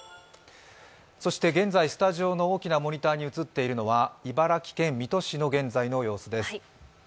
そして現在、スタジオの大きなモニターに映っているのは茨城県水戸市の現在の様子です。